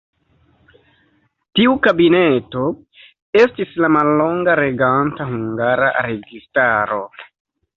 Tiu kabineto estis la mallonga reganta hungara registaro.